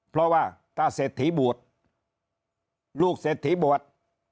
เพราะว่าถ้าเศรษฐีบวชลูกเศรษฐีบวช